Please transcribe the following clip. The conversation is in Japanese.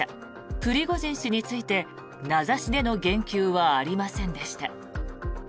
プリゴジン氏について名指しでの言及はありませんでした。